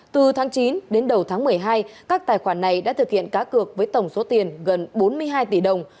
từ tháng chín đến đầu tháng một mươi hai các tài khoản này đã thực hiện cá cược với tổng số tiền gần bốn mươi hai tỷ đồng